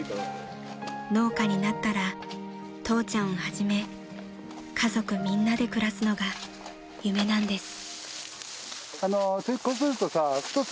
［農家になったら父ちゃんをはじめ家族みんなで暮らすのが夢なんです］